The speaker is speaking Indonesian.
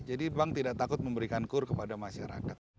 jadi bank tidak takut memberikan kur kepada masyarakat